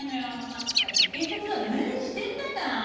まったく警察は何してるんだか。